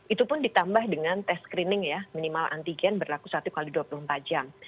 itu pun ditambah dengan tes screening ya minimal antigen berlaku satu x dua puluh empat jam